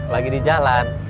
lagi di jalan